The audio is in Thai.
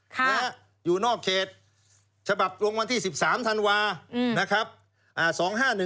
ค่ะอยู่นอกเขตฉบับโรงวัลที่๑๓ธันวาส์๒๕๑๕